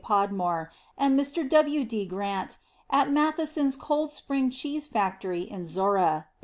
Podmore and Mr. W. D. Grant at Matheson's Cold Spring Cheese Factory in Zorra, 1888.